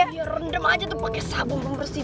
ya rendam aja tuh pake sabun pembersih